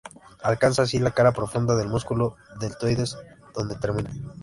Alcanza así la cara profunda del músculo deltoides, donde termina.